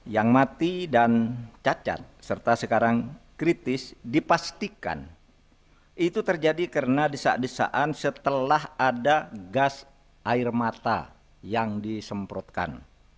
yang mati dan cacat serta sekarang kritis dipastikan itu terjadi karena desak desakan setelah ada gas air mata yang disemprotkan